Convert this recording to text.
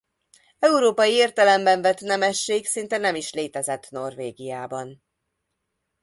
Európai értelemben vett nemesség szinte nem is létezett Norvégiában.